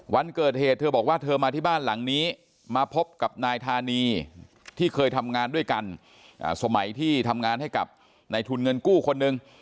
วันเกิดเหตุเธอบอกว่าเธอมาที่บ้านหลังนี้มาพบกับนายธานีที่เคยทำงานด้วยกันสมัยที่ทำงานให้กับในทุนเงินกู้คนหนึ่ง